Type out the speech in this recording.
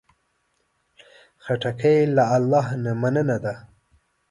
خټکی له الله نه مننه ده.